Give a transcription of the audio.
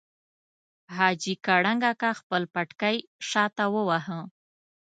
حاجي کړنګ اکا خپل پټکی شاته وواهه.